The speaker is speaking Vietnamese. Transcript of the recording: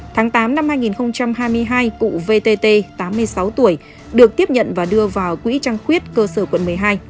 tháng tám năm hai nghìn hai mươi hai cụ vtt tám mươi sáu tuổi được tiếp nhận và đưa vào quỹ trăng khuyết cơ sở quận một mươi hai